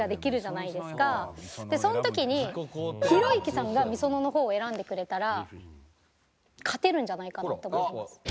その時にひろゆきさんがｍｉｓｏｎｏの方を選んでくれたら勝てるんじゃないかなって思ってます。